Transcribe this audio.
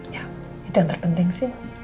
ya itu yang terpenting sih